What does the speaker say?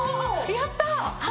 やった！